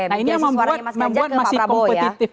nah ini yang membuat masih kompetitif